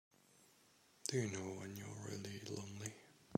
Do you know when you're really lonely?